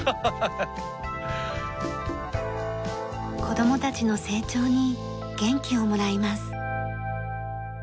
子供たちの成長に元気をもらいます。